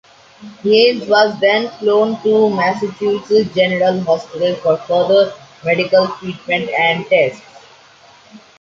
Heinz was then flown to Massachusetts General Hospital for further medical treatment and tests.